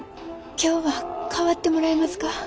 今日は代わってもらえますか？